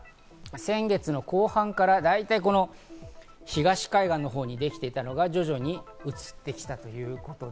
それが先月の後半から、だいたい東海岸のほうにできていたのが徐々に移ってきたということで、